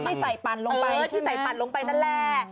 ที่ใส่ปั่นลงไปที่ใส่ปั่นลงไปนั่นแหละ